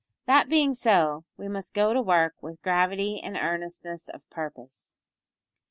That being so, we must go to work with gravity and earnestness of purpose."